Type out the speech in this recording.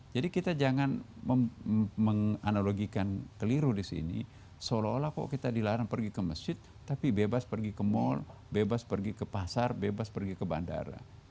jadi kita jangan menganalogikan keliru di sini seolah olah kok kita dilarang pergi ke masjid tapi bebas pergi ke mal bebas pergi ke pasar bebas pergi ke bandara